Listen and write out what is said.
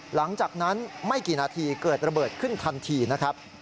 หลังจากนั้นไม่กี่นาทีเกิดระเบิดขึ้นทันทีนะครับ